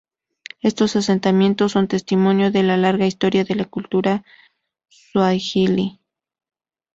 Estos asentamientos son testimonio de la larga historia de la cultura suajili.